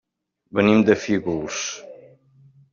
Venim de Fígols.